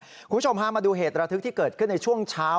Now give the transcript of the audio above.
คุณผู้ชมพามาดูเหตุระทึกที่เกิดขึ้นในช่วงเช้า